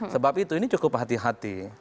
sebab itu ini cukup hati hati